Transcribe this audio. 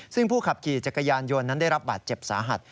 ซึ่งผู้ขับขี่จักรยานยนต์นั้นได้รับบาดเจ็บสาหัส